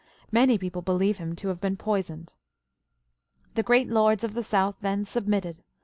Many people believed him to have been poisoned. The great lords of the south then submitted.